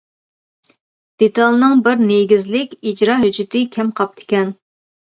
دېتالنىڭ بىر نېگىزلىك ئىجرا ھۆججىتى كەم قاپتىكەن.